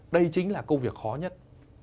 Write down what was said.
đây chính là công việc khó nhất